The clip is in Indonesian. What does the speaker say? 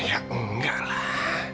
ya enggak lah